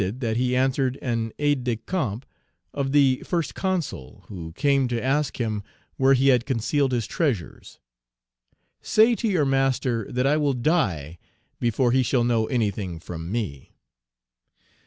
It is pretended that he answered an aide de camp of the First Consul, who came to ask him where he had concealed his treasures: 'Say to your master that I will die before he shall know anything from me.'